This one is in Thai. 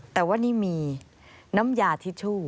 ที่มีน้ำยาทิชชู่